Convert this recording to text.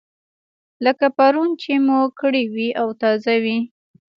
لکه پرون چې مو کړې وي او تازه وي.